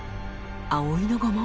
葵の御紋？